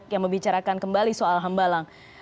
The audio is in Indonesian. banyak yang membicarakan kembali soal hembalang